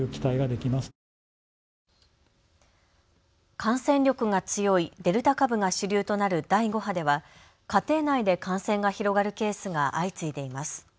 感染力が強いデルタ株が主流となる第５波では家庭内で感染が広がるケースが相次いでいます。